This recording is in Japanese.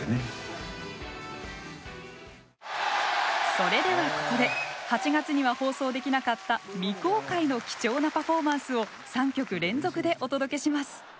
それではここで８月には放送できなかった未公開の貴重なパフォーマンスを３曲連続でお届けします！